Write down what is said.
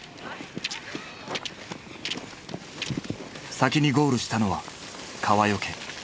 先にゴールしたのは川除。